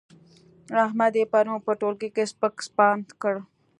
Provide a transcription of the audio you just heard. احمد يې پرون په ټولګي کې سپک سپاند کړ.